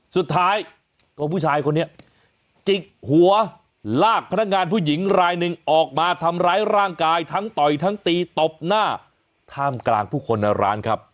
สุดท้ายตัวผู้ชายคนนี้จิกหัวลากพนักงานผู้หญิงรายหนึ่งออกมาทำร้ายร่างกายทั้งต่อยทั้งตีตบหน้าท่ามกลางผู้คนในร้านครับ